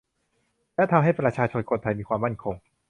และทำให้ประชาชนคนไทยมีความมั่นคง